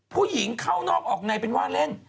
ผู้หญิงเข้านอกออกในเป็นว่าเล่น